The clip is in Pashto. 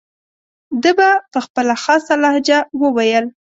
ده به په خپله خاصه لهجه وویل.